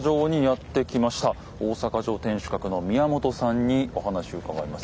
大阪城天守閣の宮本さんにお話を伺います。